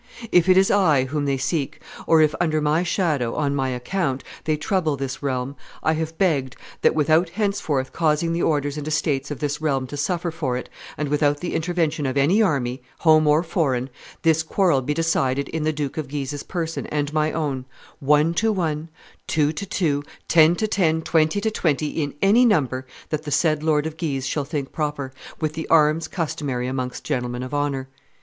... If it is I whom they seek, or if under my shadow (on my account) they trouble this realm, I have begged that, without henceforth causing the orders and estates of this realm to suffer for it, and without the intervention of any army, home or foreign, this quarrel be decided in the Duke of Guise's person and my own, one to one, two to two, ten to ten, twenty to twenty, in any number that the said Lord of Guise shall think proper, with the arms customary amongst gentlemen of honor.